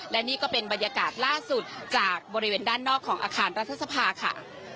และนี่ก็เป็นบรรยากาศล่าสุดจากบริเวณด้านนอกของอาคารรัฐสภาค่ะ